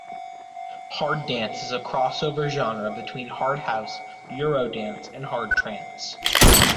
Hard dance is a cross over genre between hard house, Eurodance and hard trance.